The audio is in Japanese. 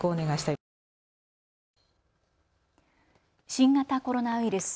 新型コロナウイルス。